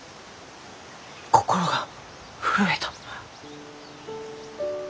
心が震えた。